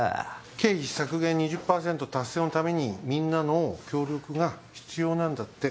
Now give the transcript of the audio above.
経費削減２０％達成のためにみんなの協力が必要なんだって。